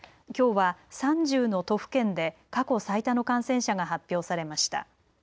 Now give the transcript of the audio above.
きょうは３０の都府県で過去最多の感染者が発表されました。